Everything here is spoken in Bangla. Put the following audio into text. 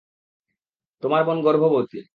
তোমার বোন গর্ভবতী।